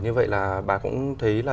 như vậy là bà cũng thấy là